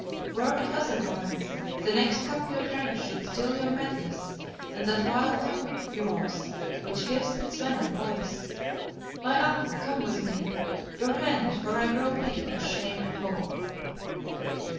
Were it otherwise, the next cup you drank should still your madness, and that vile tongue of yours which gives its venom voice. My uncle, come with me. Your hand, for I grow weak with shame and woe."